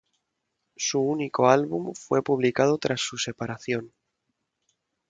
Su único álbum fue publicado tras su separación.